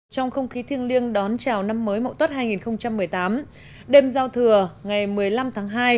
trong không khí thiêng liêng đón chào năm mới mậu tuất hai nghìn một mươi tám đêm giao thừa ngày một mươi năm tháng hai